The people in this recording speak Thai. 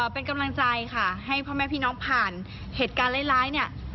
เป็นกำลังใจค่ะให้พ่อแม่พี่น้องผ่านเหตุการณ์ร้ายเนี่ย